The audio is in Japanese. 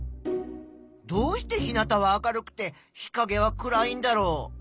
どうして日なたは明るくて日かげは暗いんだろう？